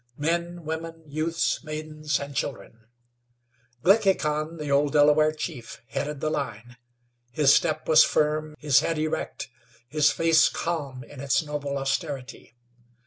Men, women, youths, maidens and children. Glickhican, the old Delaware chief, headed the line. His step was firm, his head erect, his face calm in its noble austerity.